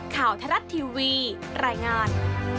ทรัฐทีวีรายงาน